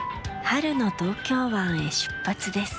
春の東京湾へ出発です。